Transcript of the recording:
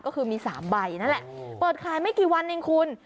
ก็คือมี๓ใบนั่นแหละเปิดขายไม่กี่วันเองคุณ